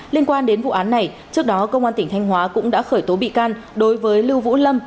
liên quan đến vụ án này trước đó công an tỉnh thanh hóa cũng đã khởi tố bị can đối với lưu vũ lâm